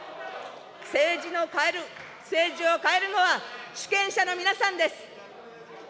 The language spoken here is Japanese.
政治を変える、政治を変えるのは主権者の皆さんです。